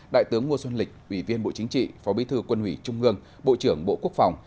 đại tướng ngô xuân lịch ủy viên bộ chính trị phó bí thư quân ủy trung ương bộ trưởng bộ quốc phòng